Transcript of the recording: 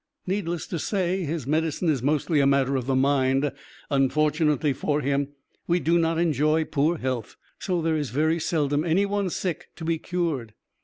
Needless to say, his medicine is mostly a matter of the mind. Unfortunately for him, we do not enjoy poor health, so there is very seldom any one sick to be cured.